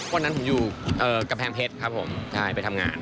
วันนั้นผมอยู่กำแพงเพชรครับผมใช่ไปทำงาน